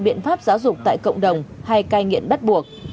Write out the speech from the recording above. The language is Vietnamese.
biện pháp giáo dục tại cộng đồng hay cai nghiện bắt buộc